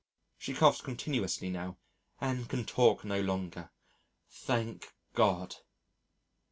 She coughs continuously now and can talk no longer. Thank God!